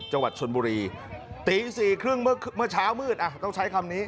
จังหวัดชนบุรีตีสี่ครึ่งเมื่อเช้ามืดอ่ะต้องใช้คำนี้